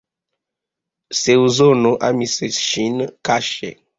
Zeŭso amis ŝin kaŝe.